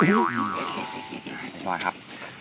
เอาล่ะครับ